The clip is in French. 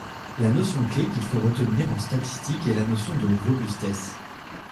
La notion clé qu’il faut retenir en statistique est la notion de robustesse.